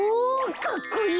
かっこいい！